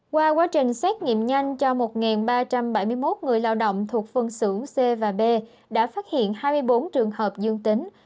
qua quá trình xét nghiệm nhanh cho một ba trăm bảy mươi một người lao động thuộc phân xưởng c và b đã phát hiện hai mươi bốn trường hợp dương tính